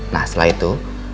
nah setelah itu